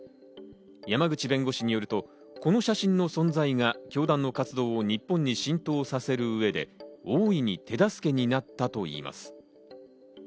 山口弁護士によると、この写真の存在が教団の活動を日本に浸透させる上で、大いに手助けになったといいます。